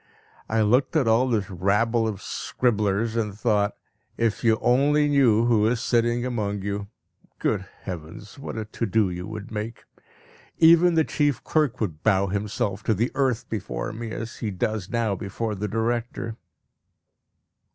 I looked at all this rabble of scribblers, and thought, "If you only knew who is sitting among you! Good heavens! what a to do you would make. Even the chief clerk would bow himself to the earth before me as he does now before the director."